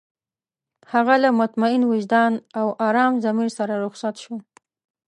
هغه له مطمئن وجدان او ارام ضمير سره رخصت شو.